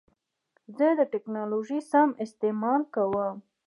زه د ټکنالوژۍ سم استعمال کوم.